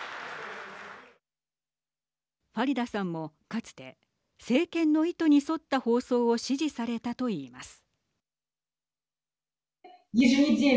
ファリダさんも、かつて政権の意図に沿った放送を指示されたといいます。